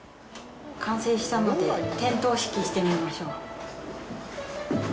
完成したので、点灯式をしてみましょう。